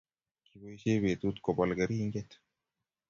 kiboisie betut koman keringet